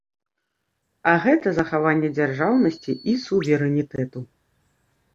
А гэта захаванне дзяржаўнасці і суверэнітэту.